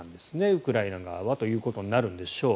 ウクライナ側はということになるんでしょう。